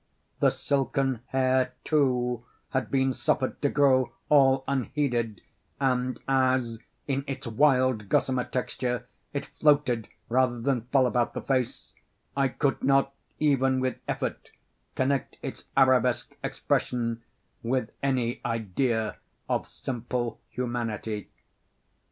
The silken hair, too, had been suffered to grow all unheeded, and as, in its wild gossamer texture, it floated rather than fell about the face, I could not, even with effort, connect its Arabesque expression with any idea of simple humanity.